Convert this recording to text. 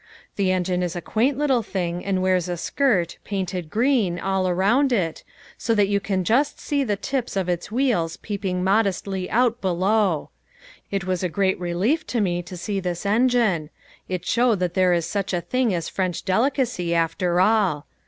The engine is a quaint little thing and wears a skirt, painted green, all around it, so that you can just see the tips of its wheels peeping modestly out below. It was a great relief to me to see this engine. It showed that there is such a thing as French delicacy after all.